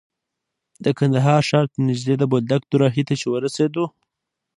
د کندهار ښار ته نژدې د بولدک دوراهي ته چې ورسېدو.